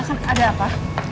kan ada apa